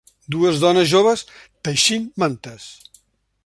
Dues dones joves teixint mantes